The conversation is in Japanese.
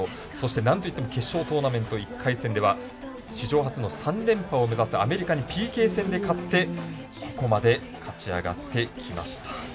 なんといっても決勝トーナメント１回戦では史上初の３連覇を目指すアメリカにＰＫ戦で勝って勝ち上がってきました。